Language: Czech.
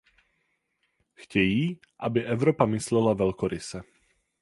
Chtějí, aby Evropa myslela velkoryse.